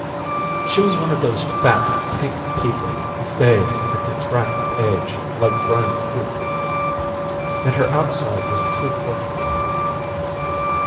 She was one of those fat, pink people who fade and contract with age like drying fruit; and her outside was a true portrait of her.